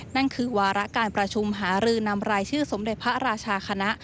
นั่นคือวาระการประชุมหารือนำรายชื่อสมเด็จพระราชาคณะ